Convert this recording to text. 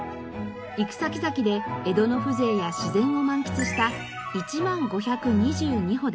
行く先々で江戸の風情や自然を満喫した１０５２２歩でした。